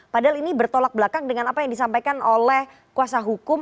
padahal ini bertolak belakang dengan apa yang disampaikan oleh kuasa hukum